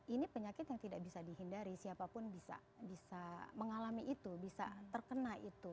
ini penyakit yang tidak bisa dihindari siapapun bisa mengalami itu bisa terkena itu